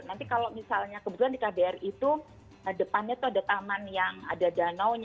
nanti kalau misalnya kebetulan di kbr itu depannya tuh ada taman yang ada danau